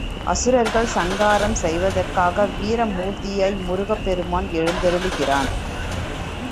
அசுரர்களைச் சங்காரம் செய்வதற்காக வீர மூர்த்தியாய் முருகப் பெருமான் எழுந்தருளுகிறான்.